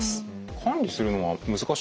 管理するのは難しいんですか？